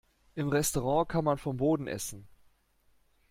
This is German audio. Im Restaurant kann man vom Boden essen.